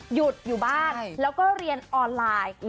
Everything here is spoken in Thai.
หยุดอยู่บ้านแล้วก็เรียนออนไลน์